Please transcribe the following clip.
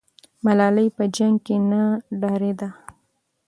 ملالۍ په جنګ کې نه ډارېده.